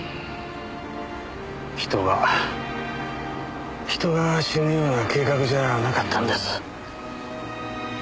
人が人が死ぬような計画じゃなかったんです。